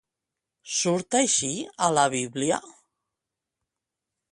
Surt així a la Bíblia?